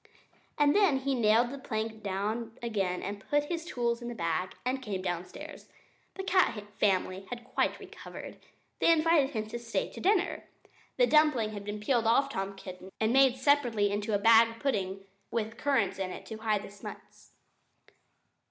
Then he nailed the plank down again and put his tools in his bag, and came downstairs. The cat family had quite recovered. They invited him to stay to dinner. The dumpling had been peeled off Tom Kitten and made separately into a bag pudding, with currants in it to hide the smuts.